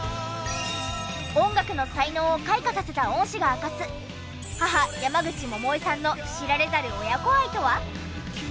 音楽の才能を開花させた恩師が明かす母山口百恵さんの知られざる親子愛とは？